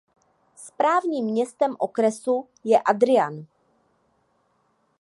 Správním městem okresu je Adrian.